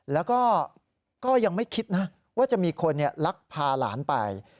แล้วก็ยังไม่คิดนะว่าจะมีคนลักพาหลานไป